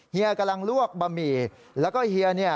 เฮียกำลังลวกบะหมี่แล้วก็เฮียเนี่ย